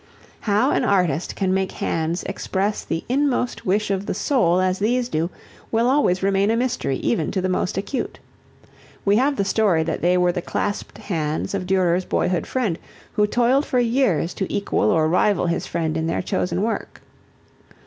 How an artist can make hands express the inmost wish of the soul as these do will always remain a mystery even to the most acute. We have the story that they were the clasped hands of Durer's boyhood friend who toiled for years to equal or rival his friend in their chosen work.